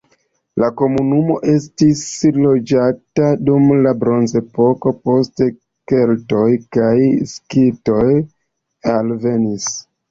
La komunumo estis loĝata dum la bronzepoko, poste keltoj kaj skitoj alvenis.